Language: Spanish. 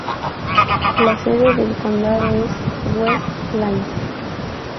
La sede del condado es West Plains.